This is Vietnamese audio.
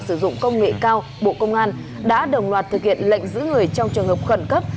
sử dụng công nghệ cao bộ công an đã đồng loạt thực hiện lệnh giữ người trong trường hợp khẩn cấp